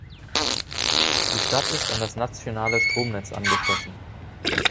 Die Stadt ist an das nationale Stromnetz angeschlossen.